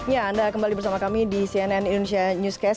ya anda kembali bersama kami di cnn indonesia newscast